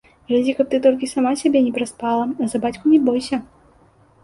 Глядзі, каб ты толькі сама сябе не праспала, а за бацьку не бойся!